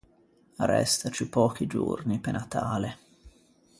Arresta ciù pöchi giorni pe Natale.